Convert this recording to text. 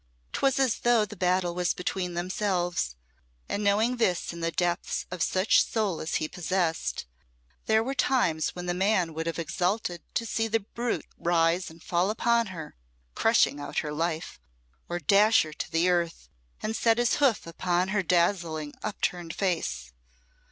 'Twas as though the battle was between themselves; and knowing this in the depths of such soul as he possessed, there were times when the man would have exulted to see the brute rise and fall upon her, crushing her out of life, or dash her to the earth and set his hoof upon her dazzling upturned face.